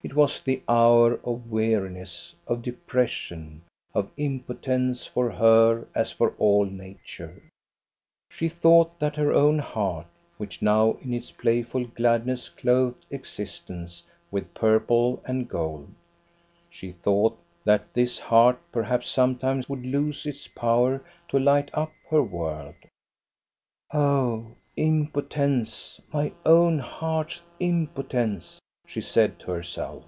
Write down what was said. It was the hour of weariness, of depression, of impo tence for her as for all nature. 1/6 THE STORY OF GOSTA BERLING She thought that her own heart, which now in its playful gladness clothed existence with purple and gold, she thought that this heart perhaps sometime would lose its power to light up her world. " Oh, impotence, my own heart's impotence !" she said to herself.